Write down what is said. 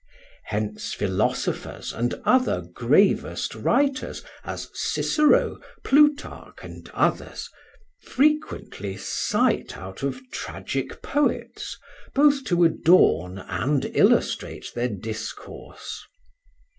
Hence Philosophers and other gravest Writers, as Cicero, Plutarch and others, frequently cite out of Tragic Poets, both to adorn and illustrate thir discourse.